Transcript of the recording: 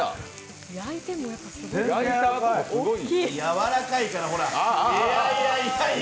やわらかいから、ほら。